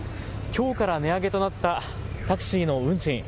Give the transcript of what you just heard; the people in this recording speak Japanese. きょうから値上げとなったタクシーの運賃。